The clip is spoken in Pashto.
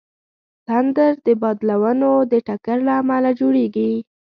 تندر د بادلونو د ټکر له امله جوړېږي.